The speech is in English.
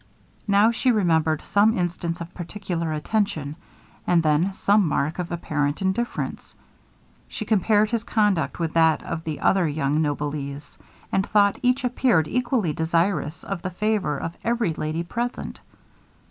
Now she remembered some instance of particular attention, and then some mark of apparent indifference. She compared his conduct with that of the other young noblesse; and thought each appeared equally desirous of the favor of every lady present.